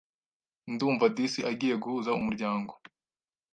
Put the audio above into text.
Ndumva disi agiye guhuza umuryango